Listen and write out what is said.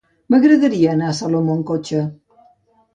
M'agradaria anar a Salomó amb cotxe.